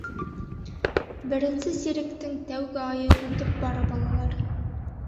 — Беренсе сиректең тәүге айы үтеп бара, балалар.